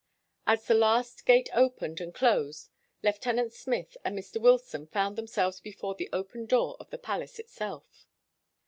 As the last gate opened and closed, Lieutenant Smith and Mr. Wilson found themselves before the open door of the pal ace itself.